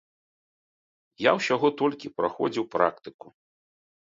Я ўсяго толькі праходзіў практыку.